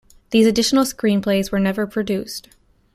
These additional screenplays were never produced.